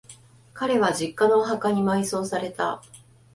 彼は、実家のお墓に埋葬された。